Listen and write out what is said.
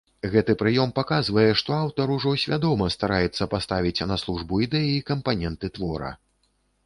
Гэты прыём паказвае, што аўтар ужо свядома стараецца паставіць на службу ідэі кампаненты твора.